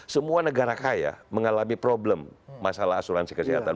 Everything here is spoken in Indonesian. semua negara kaya mengalami problem masalah asuransi kesehatan